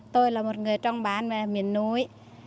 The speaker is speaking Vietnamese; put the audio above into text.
tôi là một người trong bán miền núi